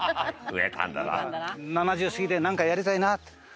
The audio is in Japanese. ７０過ぎでなんかやりたいなって。